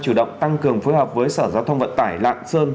chủ động tăng cường phối hợp với sở giao thông vận tải lạng sơn